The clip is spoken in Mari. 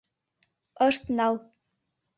Ышт нал.